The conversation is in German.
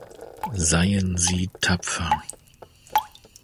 Seien Sie tapfer.